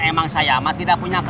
emang saya amat tidak punya kerjaan